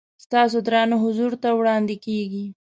ستاسو درانه حضور ته وړاندې کېږي.